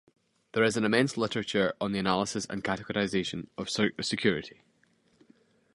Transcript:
There is an immense literature on the analysis and categorization of security.